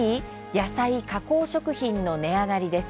野菜・加工食品の値上がり」です。